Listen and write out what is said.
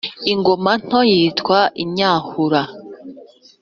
ingoma nto yitwa inyahura.